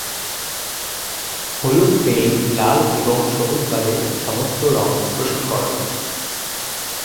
হলুদ পেইন্ট লাল এবং সবুজ বাদে সমস্ত রং শোষণ করে।